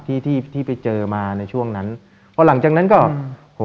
ที่ที่ไปเจอมาในช่วงนั้นพอหลังจากนั้นก็ผม